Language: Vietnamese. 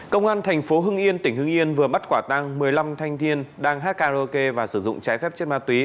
công an thành phố hưng yên tỉnh hưng yên vừa bắt quả tăng một mươi năm thanh thiên đang hát karaoke và sử dụng trái phép chất ma túy